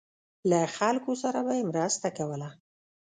له خلکو سره به یې مرسته کوله.